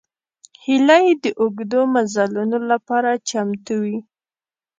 هیلۍ د اوږدو مزلونو لپاره چمتو وي